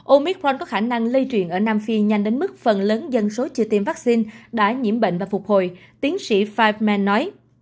omicron có khả năng lây truyền ở nam phi nhanh đến mức phần lớn dân số chưa tiêm vaccine đã nhiễm bệnh và phục hồi tiến sĩ fireman nói